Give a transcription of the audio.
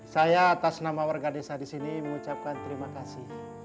saya atas nama warga desa di sini mengucapkan terima kasih